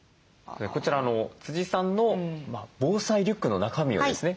こちらさんの防災リュックの中身ですね。